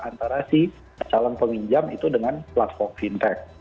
antara si calon peminjam itu dengan platform fintech